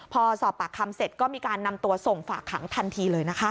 พอสอบปากคำเสร็จก็มีการนำตัวส่งฝากขังทันทีเลยนะคะ